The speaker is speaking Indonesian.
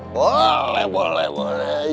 boleh boleh boleh